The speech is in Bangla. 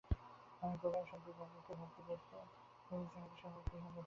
আমি গোড়ায় সন্দীপবাবুকে ভক্তি করতে আরম্ভ করেছিলুম, কিন্তু সে ভক্তি গেল ভেসে।